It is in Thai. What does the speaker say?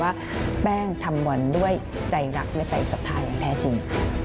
ว่าแป้งทำบอลด้วยใจรักและใจศรัทธาอย่างแท้จริง